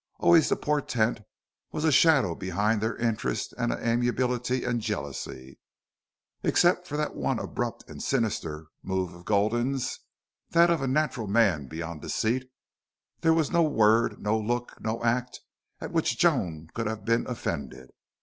Always the portent was a shadow behind their interest and amiability and jealousy. Except for that one abrupt and sinister move of Gulden's that of a natural man beyond deceit there was no word, no look, no act at which Joan could have been offended.